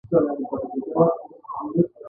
دې اوبو اتلس میله مربع ځمکه خړوبوله.